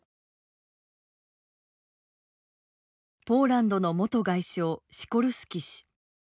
ポーランドの元外相シコルスキ氏。